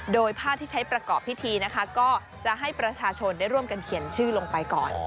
โดยผ้าที่ใช้ประกอบพิธีนะคะก็จะให้ประชาชนได้ร่วมกันเขียนชื่อลงไปก่อน